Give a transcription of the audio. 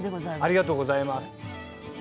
ありがとうございます。